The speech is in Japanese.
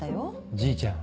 じいちゃん